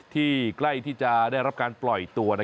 ใกล้ที่จะได้รับการปล่อยตัว